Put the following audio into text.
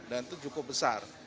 dan itu cukup besar